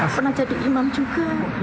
pernah jadi imam juga